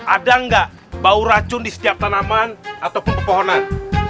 ada nggak bau racun di setiap tanaman ataupun pepohonan